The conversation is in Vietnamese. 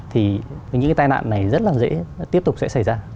thì những cái tai nạn này rất là dễ tiếp tục sẽ xảy ra